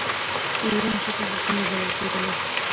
د ایران ختیځې سیمې بلل کېدله.